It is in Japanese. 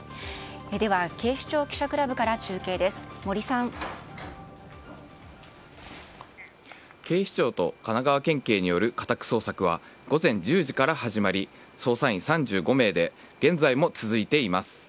では、警視庁記者クラブから警視庁と神奈川県警による家宅捜索は午前１０時から始まり捜査員３５名で現在も続いています。